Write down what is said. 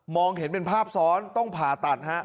เห็นเป็นภาพซ้อนต้องผ่าตัดฮะ